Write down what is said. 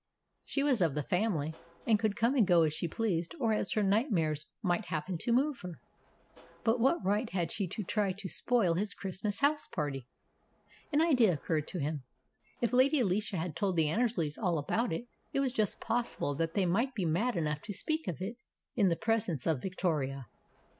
She was of the family, and could come and go as she pleased or as her nightmares might happen to move her; but what right had she to try to spoil his Christmas house party? An idea occurred to him. If Lady Alicia had told the Annersleys all about it, it was just possible that they might be mad enough to speak of it in the pres ence of Victoria.